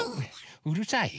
うるさい？